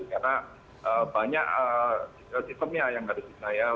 karena banyak sistemnya yang harus dibenahi ya